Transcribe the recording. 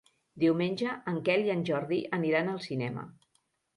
Diumenge en Quel i en Jordi aniran al cinema.